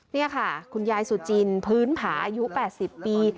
นี่ค่ะคุณยายสุจินพื้นผาอายุ๘๐ปี